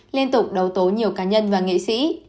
liên tục đầu tố nhiều cá nhân và nghệ sĩ